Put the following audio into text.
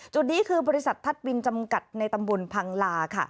จุดนี้คือบริษัททัศวินจำกัดในตำบลพังลาค่ะ